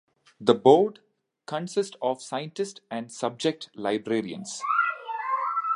The board consists of scientists and subject librarians.